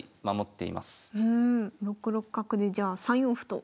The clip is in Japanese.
６六角でじゃあ３四歩と。